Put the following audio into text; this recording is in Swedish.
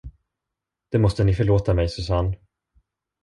Det måste ni förlåta mig, Susanne!